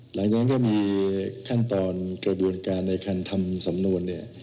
หลังจากนั้นก็มีขั้นตอนกระบวนการในคันธรรมสำนวน